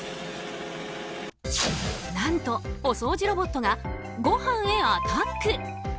何と、お掃除ロボットがごはんへアタック！